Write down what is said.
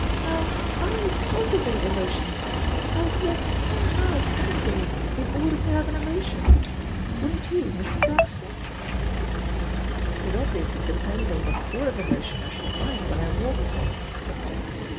Now I cultivate emotions. I would walk ten miles any day in order to have an emotion. Wouldn't you, Mr. Broxton?" "It obviously depends on what sort of emotion I should find when I walked there," said Jack.